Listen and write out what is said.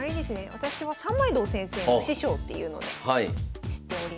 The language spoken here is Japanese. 私は三枚堂先生の師匠っていうので知っております。